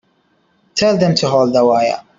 Tell them to hold the wire.